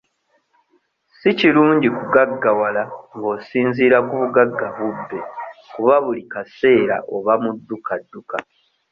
Si kirungi kugaggawala nga osinziira ku bugagga bubbe kuba buli kaseera oba mu dduka dduka.